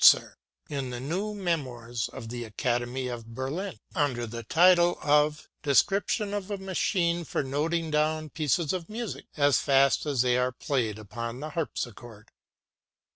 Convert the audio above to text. Suizer, in the new Memoirs of the Academy of Berlin,* under the title of ŌĆ£ Description of a ma ŌĆ£ chine for noting down pieces of music as fast as ŌĆ£ they are played upon the harpsichord.